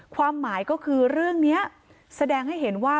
ความหมายก็คือเรื่องนี้แสดงให้เห็นว่า